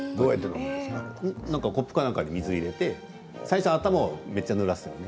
コップか何かに水を入れて最初は頭をめっちゃぬらす。